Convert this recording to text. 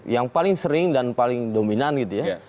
yang paling sering dan paling dominan gitu ya